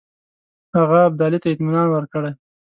هغه ابدالي ته اطمینان ورکړی.